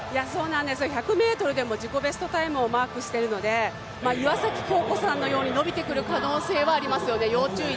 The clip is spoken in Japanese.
１００ｍで自己ベストタイムをマークしているので岩崎恭子さんのように伸びてくる可能性はありますね。